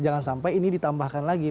jangan sampai ini ditambahkan lagi